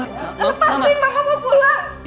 lepasin mama mau pulang